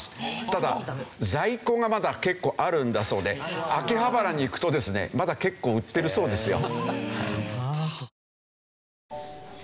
ただ在庫がまだ結構あるんだそうで秋葉原に行くとですねまだ結構売ってるそうですよ。